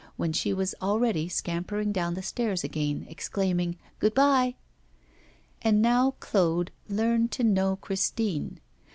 when she was already scampering down the stairs again, exclaiming 'Good bye.' And now Claude learned to know Christine.